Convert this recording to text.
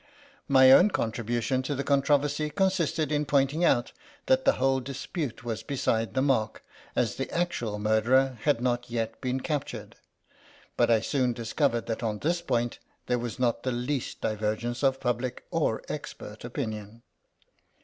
My own contribution to the controversy con sisted in pointing out that the whole dispute was beside the mark, as the actual murderer had not yet been captured ; but I soon dis covered that on this point there was not the THE LOST SANJAK 21 least divergence of public or expert opinion.